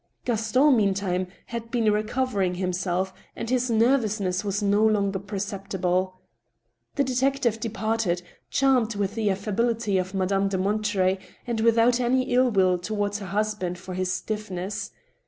Gaston, meantime, had been recovering himself, and his nervous ness was no longer perceptible. The detective departed, charmed with the affability of Madame de Monterey, and without any ill will toward her husband for his stiffness.